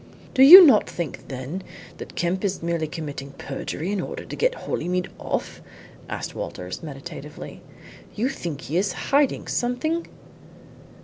"You do not think, then, that Kemp is merely committing perjury in order to get Holymead off?" asked Walters meditatively. "You think he is hiding something?"